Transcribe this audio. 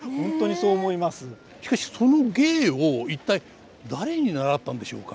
しかしその芸を一体誰に習ったんでしょうか？